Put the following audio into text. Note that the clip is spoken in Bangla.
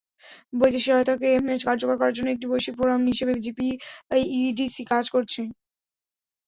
বৈদেশিক সহায়তাকে কার্যকর করার জন্য একটি বৈশ্বিক ফোরাম হিসেবে জিপিইডিসি কাজ করছে।